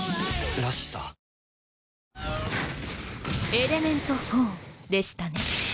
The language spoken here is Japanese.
エレメント４でしたね？